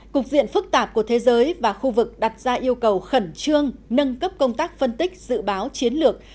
cục diện phức tạp của thế giới và khu vực đặt ra yêu cầu khẩn trương nâng cấp công tác phân tích dự báo chiến lược